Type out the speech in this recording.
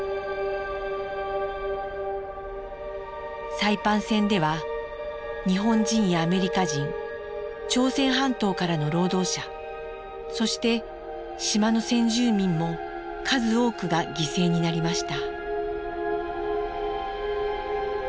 サイパン戦では日本人やアメリカ人朝鮮半島からの労働者そして島の先住民も数多くが犠牲になりました。